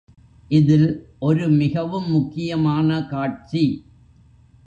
இதில் ஒரு மிகவும் முக்கியமான காட்சி.